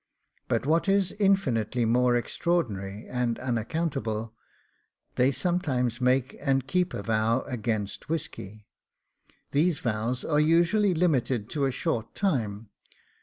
But, what is infinitely more extraordinary and unaccountable, they sometimes make and keep a vow against whisky; these vows are usually limited to a short time.